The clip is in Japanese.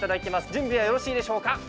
準備はよろしいでしょう。